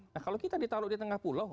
nah kalau kita ditaruh di tengah pulau